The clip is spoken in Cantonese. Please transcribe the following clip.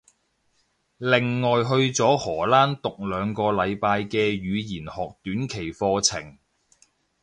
另外去咗荷蘭讀兩個禮拜嘅語言學短期課程